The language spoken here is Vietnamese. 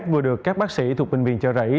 vừa được các bác sĩ thuộc bệnh viện chợ rẫy